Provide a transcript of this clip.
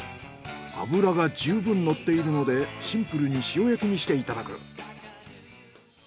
脂が十分のっているのでシンプルに塩焼きにしていただく。